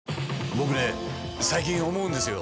僕ね最近思うんですよ。